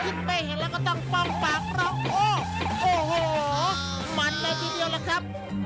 กินไปเห็นแล้วก็ต้องป้องปากเราโอ้โอ้โหมันอะไรทีเดียวล่ะครับ